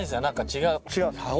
違う。